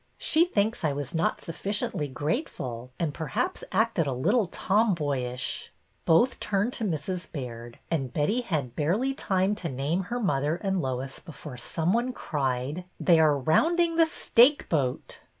She thinks I was not sufficiently grateful, and perhaps acted a little tom boyish.'' Both turned to Mrs. Baird, and Betty had barely time to name her mother and Lois before some one cried: '' They are rounding the stake boat